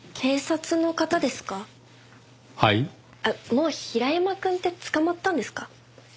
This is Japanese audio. もう平山くんって捕まったんですか？